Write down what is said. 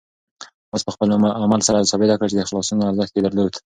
آس په خپل عمل سره ثابته کړه چې د خلاصون ارزښت یې درلود.